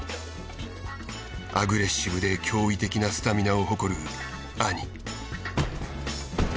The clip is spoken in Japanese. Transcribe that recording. アグレッシブで驚異的なスタミナを誇る兄。